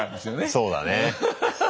そうだね。